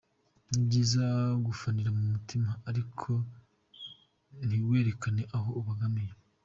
Ni byiza gufanira mu mutima ariko ntiwerekane aho ubogamiye.